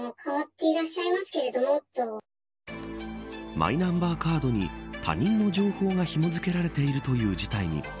マイナンバーカードに他人の情報がひも付けられているという事態に。